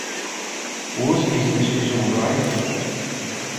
Was His Decision Right?